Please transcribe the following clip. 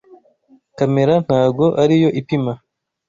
Kamera ntago ariyo ipima